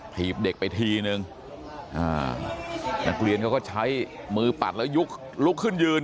ถีบเด็กไปทีนึงนักเรียนเขาก็ใช้มือปัดแล้วยกลุกขึ้นยืน